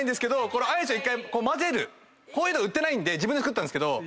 こういうの売ってないんで自分で作った。